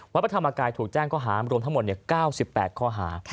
พระธรรมกายถูกแจ้งข้อหารวมทั้งหมด๙๘ข้อหา